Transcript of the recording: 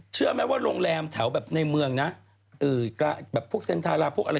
เชื่อไม่ว่าโรงแรมแถวแบบในเมืองน๊ะ